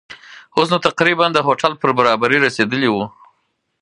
اوس نو تقریباً د هوټل پر برابري رسېدلي وو.